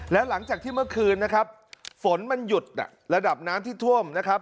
แล้วหลังจากที่เมื่อคืนนะครับฝนมันหยุดระดับน้ำที่ท่วมนะครับ